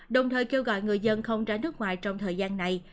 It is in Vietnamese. đồng thời kêu gọi người dân không ra nước ngoài trong thời gian này